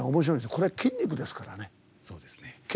これ筋肉ですからね。